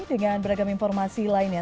dengan beragam informasi lainnya